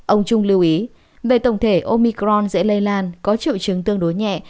ông trung lưu ý về tổng thể omicron dễ lây lan có triệu chứng tương đối nhẹ